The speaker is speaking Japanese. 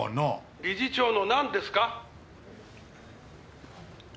「理事長のなんですか？」